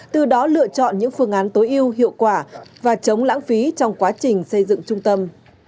từ đó lựa chọn những phương án tối yêu hiệu quả và chống lãng phí trong quá trình xây dựng trung tâm